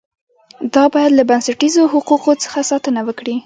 دا باید له بنسټیزو حقوقو څخه ساتنه وکړي.